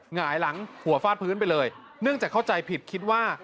หงายหลังหัวฟาดพื้นไปเลยเนื่องจากเข้าใจผิดคิดว่า